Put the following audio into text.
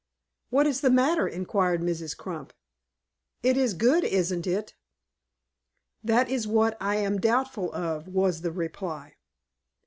"What is the matter?" inquired Mrs. Crump. "It is good, isn't it?" "That is what I am doubtful of," was the reply.